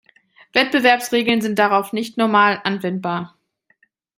Wettbewerbsregeln sind darauf nicht normal anwendbar.